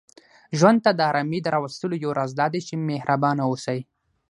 ژوند ته د آرامۍ د راوستلو یو راز دا دی، چې محربانه اوسئ